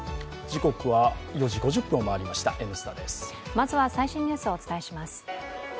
まずは、最新ニュースをお伝えします。